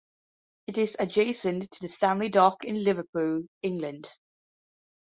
It is adjacent to the Stanley Dock, in Liverpool, England.